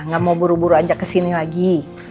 gak mau buru buru ajak ke sini lagi